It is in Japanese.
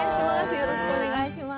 よろしくお願いします。